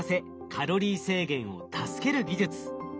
カロリー制限を助ける技術。